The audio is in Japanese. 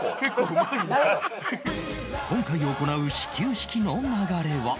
今回行う始球式の流れは